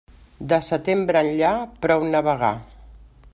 De setembre enllà, prou navegar.